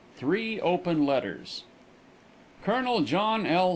THREE OPEN LETTERS XIV _Colonel John L.